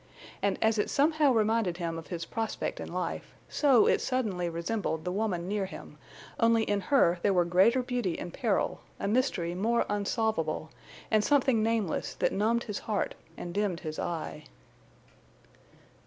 And as it somehow reminded him of his prospect in life, so it suddenly resembled the woman near him, only in her there were greater beauty and peril, a mystery more unsolvable, and something nameless that numbed his heart and dimmed his eye.